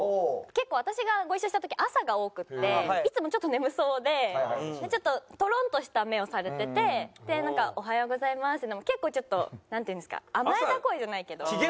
結構私がご一緒した時朝が多くっていつもちょっと眠そうでちょっととろんとした目をされてて「おはようございます」っていうのも結構ちょっとなんていうんですか甘えた声じゃないけど。